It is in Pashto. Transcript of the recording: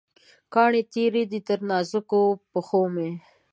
کاڼې تېره دي، تر نازکو پښومې